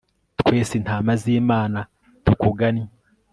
twese intama z'imana, tukugannye